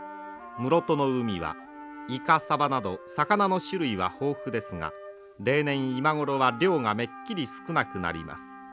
室戸の海はイカサバなど魚の種類は豊富ですが例年今ごろは漁がめっきり少なくなります。